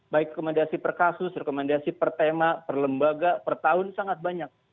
baik rekomendasi per kasus rekomendasi per tema per lembaga per tahun sangat banyak